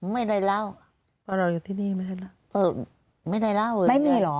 ไม่ได้เล่าเพราะเราอยู่ที่นี่ไม่ได้เล่าเพราะไม่ได้เล่าเลยไม่มีเหรอ